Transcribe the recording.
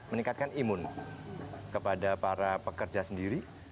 meningkatkan imun kepada para pekerja sendiri